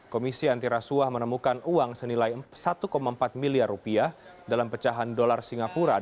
komisi antirasuah menemukan uang senilai satu empat miliar rupiah dalam pecahan dolar singapura